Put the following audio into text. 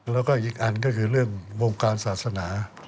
แล้วก็อีกอันก็คือเรื่องวงการศาสนา